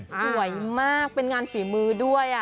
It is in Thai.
สวยมากเป็นงานฝีมือด้วย